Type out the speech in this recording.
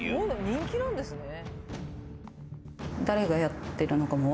人気なんですね。